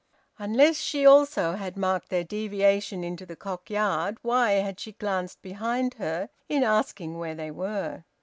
Unless she also had marked their deviation into the Cock Yard, why had she glanced behind her in asking where they were?